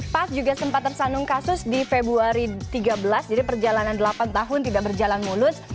path juga sempat tersandung kasus di februari dua ribu tiga belas jadi perjalanan delapan tahun tidak berjalan mulut